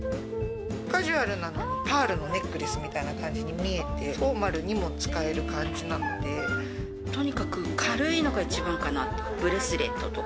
カジュアルなのに、パールのネックレスみたいな感じに見えて、フォーマルにも使えるとにかく軽いのが一番かなと。